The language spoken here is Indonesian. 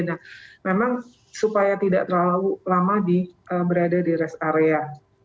nah memang supaya tidak terlalu lama berada di rest area